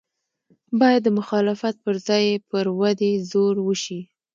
باید د مخالفت پر ځای یې پر ودې زور وشي.